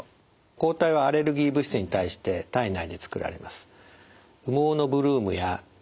抗体はアレルギー物質に対して体内でつくられます。